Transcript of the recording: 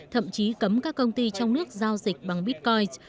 thậm chí cấm các công ty trong nước giao dịch bằng bitcoin